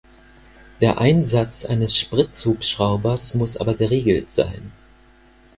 Der Einsatz eines Spritzhubschraubers muss aber geregelt sein.